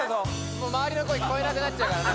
もうまわりの声聞こえなくなっちゃうからね